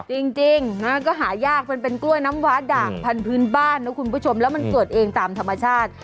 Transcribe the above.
จริงก็หายากมันเป็นกล้วยน้ำว้าด่างพันธุ์บ้านนะคุณผู้ชมแล้วมันเกิดเองตามธรรมชาติ